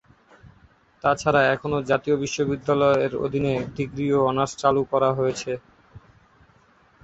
তাছাড়া এখানে জাতীয় বিশ্ববিদ্যালয়ের অধীনে ডিগ্রি ও অনার্স কোর্স চালু আছে।